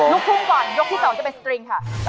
ลูกทุ่งก่อนยกที่๒จะเป็นสตริงค่ะ